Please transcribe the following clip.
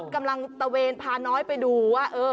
กำลังตะเวนพาน้อยไปดูว่า